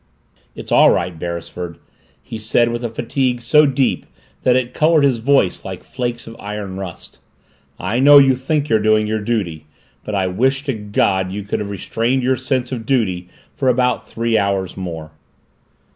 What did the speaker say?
"It's all right, Beresford," he said with a fatigue so deep that it colored his voice like flakes of iron rust. "I know you think you're doing your duty but I wish to God you could have restrained your sense of duty for about three hours more!"